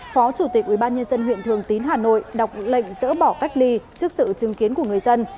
phó chủ tịch ubnd huyện thường tín hà nội đọc lệnh dỡ bỏ cách ly trước sự chứng kiến của người dân